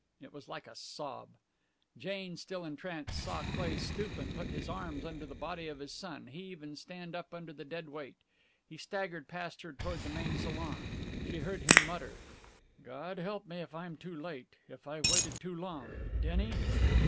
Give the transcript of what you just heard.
It was like a sob. Jane, still entranced, saw Cleigh stoop and put his arms under the body of his son, heave, and stand up under the dead weight. He staggered past her toward the main salon. She heard him mutter. "God help me if I'm too late if I've waited too long! Denny?"